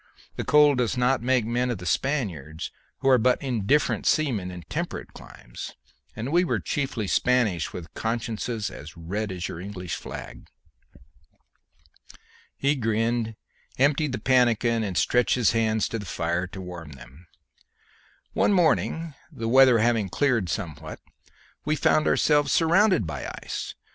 The cold does not make men of the Spaniards, who are but indifferent seamen in temperate climes, and we were chiefly Spanish with consciences as red as your English flag." He grinned, emptied the pannikin, and stretched his hands to the fire to warm them. "One morning, the weather having cleared somewhat, we found ourselves surrounded by ice.